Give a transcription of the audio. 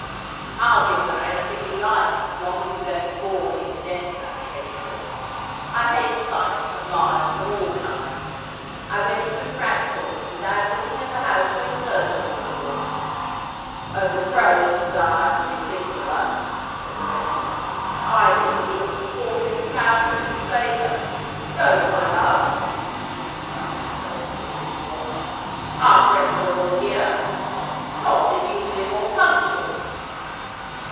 ' I'll give her anything you like, as long as you don't bore me to death about Shakespeare. I hate sights and lions of all kinds. I went through Frankfort without looking at the house where Goethe was born.' ' A depraved desire to be singular,' said the Rector. ' I think he ought to forfeit a cow to Mrs. Baker. Rhoda, my love,' glancing furtively at his watch, ' our friends are all here. Todd is usually more punctual.'